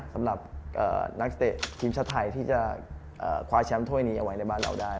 สำหรับนักเตะทีมชาติไทยที่จะคว้าแชมป์ถ้วยนี้เอาไว้ในบ้านเราได้